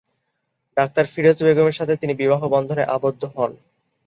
Doctor Firoza বেগমের সাথে তিনি বিবাহ বন্ধনে আবদ্ধ হন।